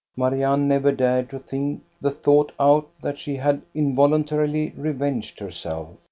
Marianne never dared to think the thought out that she had involuntarily revenged herself.